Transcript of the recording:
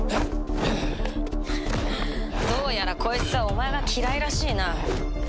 どうやらこいつはお前が嫌いらしいな。